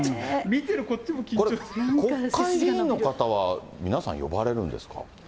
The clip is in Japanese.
これ、国会議員の方は、皆さん呼ばれるんですか。